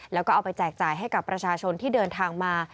แล้วก็เอาไปแจกจ่ายให้กับประชาชนที่เดินทางมา